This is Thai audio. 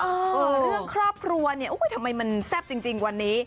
เออเรื่องครอบครัวเนี่ยทำไมมันแซ่บจริงวันนี้